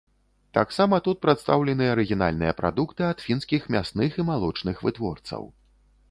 Таксама тут прадстаўлены арыгінальныя прадукты ад фінскіх мясных і малочных вытворцаў.